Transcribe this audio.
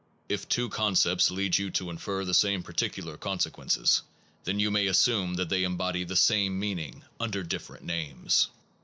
If two concepts lead you to infer the same particular consequence, then you may assume that they embody the same meaning under different names.